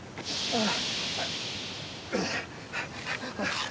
ああ。